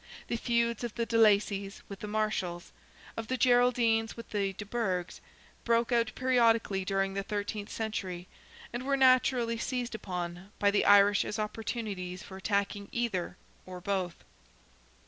The feuds of the de Lacys with the Marshals, of the Geraldines with the de Burghs, broke out periodically during the thirteenth century, and were naturally seized upon, by the Irish as opportunities for attacking either or both.